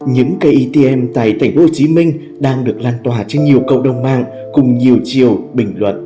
những cây atm tại tp hcm đang được lan tỏa trên nhiều cộng đồng mạng cùng nhiều chiều bình luận